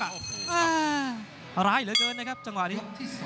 โอ้โหร้ายเหลือเกินนะครับจังหวะนี้